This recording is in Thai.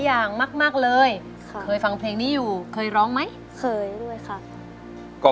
อย่างมากเลยค่ะเคยฟังเพลงนี้อยู่เคยร้องไหมเคยด้วยค่ะก็